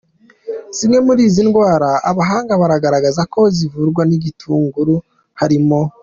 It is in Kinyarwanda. Zimwe muri izi ndwara abahanga bagaragaza ko zivurwa n’igitunguru harimo:.